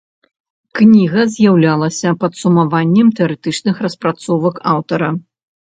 Кніга з'яўлялася падсумаваннем тэарэтычных распрацовак аўтара.